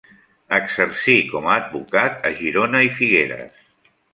Exercí com a advocat a Girona i Figueres.